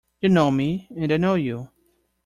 You know me, and I know you.